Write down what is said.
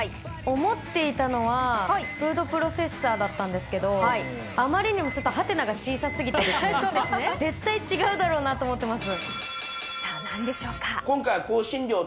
思っていたのはフードプロセッサーだったんですが、あまりにも「？」が小さすぎるので絶対違うだろうなと思っています。